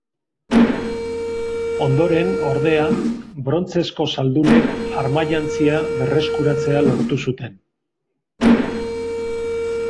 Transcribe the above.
Ondoren, ordea, brontzezko zaldunek armajantzia berreskuratzea lortu zuten.